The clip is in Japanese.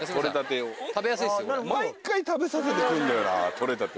毎回食べさせてくるんだよな採れたて。